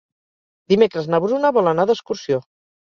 Dimecres na Bruna vol anar d'excursió.